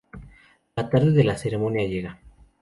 La tarde de la ceremonia llega.